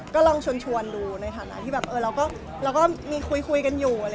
ก็ลองชวนดูในฐานะที่แบบเราก็มีคุยกันอยู่